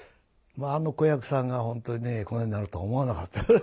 まああの子役さんが本当にねこんなになるとは思わなかった。